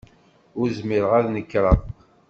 Ur zmireɣ ad d-nekreɣ.